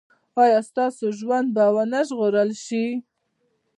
ایا ستاسو ژوند به و نه ژغورل شي؟